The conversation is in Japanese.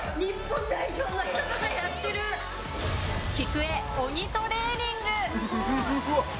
きくえ、鬼トレーニング！